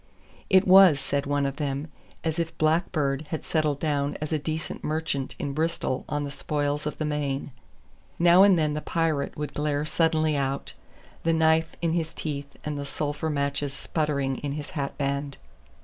It was, said one of them, as if Blackbeard had settled down as a decent merchant in Bristol on the spoils of the Main. Now and then the pirate would glare suddenly out, the knife in his teeth and the sulphur matches sputtering in his hat band.